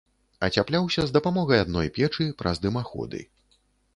Ацяпляўся з дапамогай адной печы праз дымаходы.